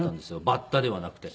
バッタではなくて。